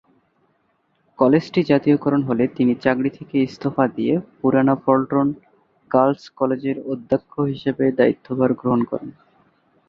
কলেজটি জাতীয়করণ হলে তিনি চাকরি থেকে ইস্তফা দিয়ে পুরানা পল্টন গার্লস কলেজের অধ্যক্ষ হিসেবে দায়িত্বভার গ্রহণ করেন।